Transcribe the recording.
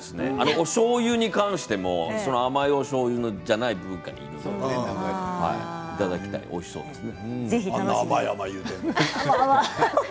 おしょうゆに対しても甘いおしょうゆではない文化にいるので、いただきたいですね。